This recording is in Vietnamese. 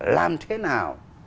làm thế nào